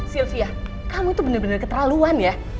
sylvia kamu itu benar benar keterlaluan ya